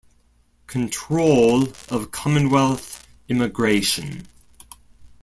Control of Commonwealth Immigration.